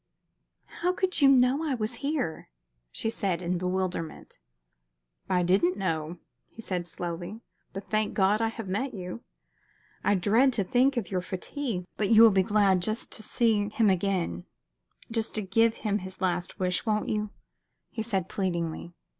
"How could you know I was here?" she said, in bewilderment. "I didn't know," he said, slowly. "But, thank God, I have met you. I dread to think of your fatigue, but you will be glad just to see him again just to give him his last wish won't you?" he said, pleadingly.